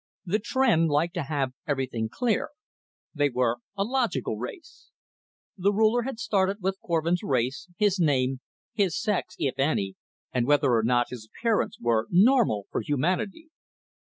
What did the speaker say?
The Tr'en liked to have everything clear. They were a logical race. The Ruler had started with Korvin's race, his name, his sex if any and whether or not his appearance were normal for humanity.